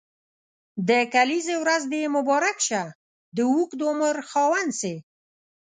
د کلیزي ورځ دي مبارک شه د اوږد عمر خاوند سي.